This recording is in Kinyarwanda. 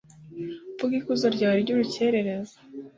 mvuge ikuzo ryawe ry'urukerereza